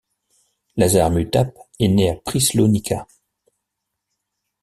Lazar Mutap est né à Prislonica.